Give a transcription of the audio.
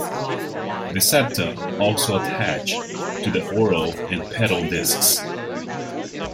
The septa also attach to the oral and pedal discs.